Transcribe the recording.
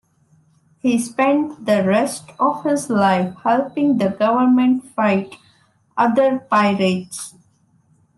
He spent the rest of his life helping the government fight other pirates.